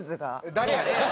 誰やねん！